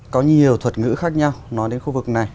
có nhiều thuật ngữ khác nhau nói đến khu vực này